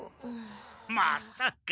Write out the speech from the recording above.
まさか。